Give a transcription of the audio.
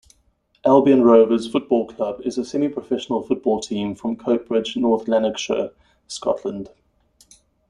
Albion Rovers Football Club is a semi-professional football team from Coatbridge, North Lanarkshire, Scotland.